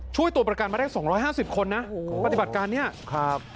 ช่วยตัวประกันมาได้๒๕๐คนนะปฏิบัติการเนี่ยครับ